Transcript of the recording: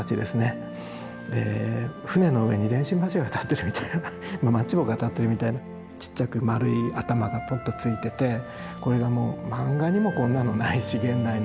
舟の上に電信柱が立っているみたいなマッチ棒が立っているみたいなちっちゃく丸い頭がぽっとついててこれがもう漫画にもこんなのないし現代の。